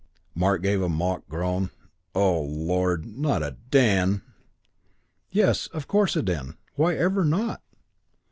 Mark gave a mock groan. "Oh, lord, not den!" "Yes, of course, den. Why ever not?"